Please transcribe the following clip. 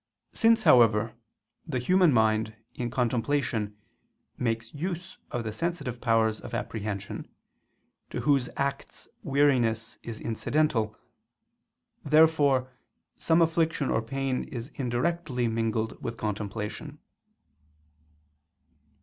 Since, however, the human mind, in contemplation, makes use of the sensitive powers of apprehension, to whose acts weariness is incidental; therefore some affliction or pain is indirectly mingled with contemplation.